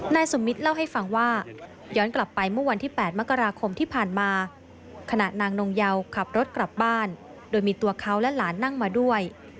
นายสมมิตรเล่าให้ฟังว่าย้อนกลับไปเมื่อวันที่๘มกราคมที่ผ่านมาขณะนางนงเยาขับรถกลับบ้านโดยมีตัวเขาและหลานนั่งมาด้วย